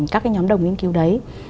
các cái nhóm đồng nghiên cứu đấy